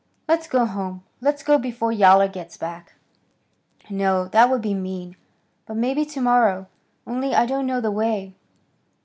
"Let's go home. Let's go before Yowler gets back." "No; that would be mean. But maybe tomorrow, only I don't know the way."